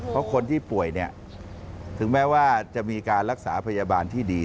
เพราะคนที่ป่วยเนี่ยถึงแม้ว่าจะมีการรักษาพยาบาลที่ดี